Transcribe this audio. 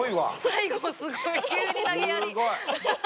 最後すごい急になげやり。